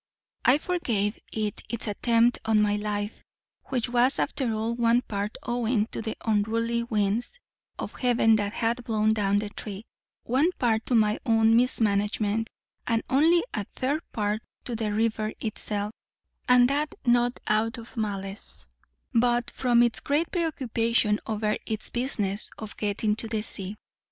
I forgave it its attempt on my life; which was after all one part owing to the unruly winds of heaven that had blown down the tree, one part to my own mismanagement, and only a third part to the river itself, and that not out of malice, but from its great preoccupation over its business of getting to the sea.